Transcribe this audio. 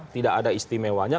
tidak ada istimewanya